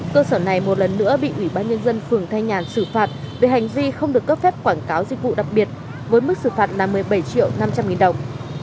cơ sở này một lần nữa bị ủy ban nhân dân phường thanh nhàn xử phạt về hành vi không được cấp phép quảng cáo dịch vụ đặc biệt với mức xử phạt là một mươi bảy triệu năm trăm linh nghìn đồng